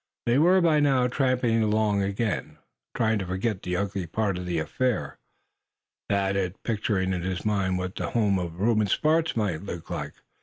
They were by now tramping along again. Trying to forget the ugly part of the affair, Thad was picturing in his mind what the home of Reuben Sparks might be like.